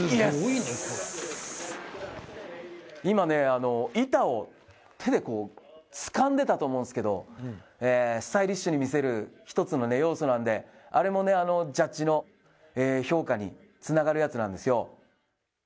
今、板を手でつかんでたと思うんですけどスタイリッシュに見せる一つの要素なんであれもジャッジの評価につながるやつなんですよ。